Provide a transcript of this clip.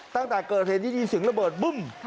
ตั้งแต่เกิดเทศยิดยีสิงระเบิดบึ้ม